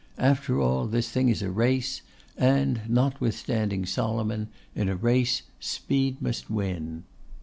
After all, this thing is a race; and, notwithstanding Solomon, in a race speed must win.